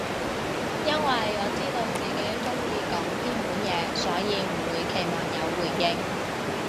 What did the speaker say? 因爲我知道自己中意講偏門嘢，所以唔會期望有回應